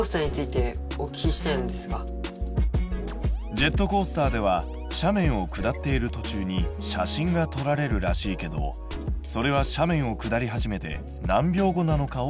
ジェットコースターでは斜面を下っているとちゅうに写真が撮られるらしいけどそれは斜面を下り始めて何秒後なのかを質問。